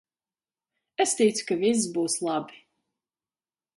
Es ticu, ka viss būs labi!